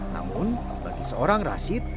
namun bagi seorang rashid